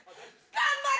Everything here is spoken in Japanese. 頑張れ！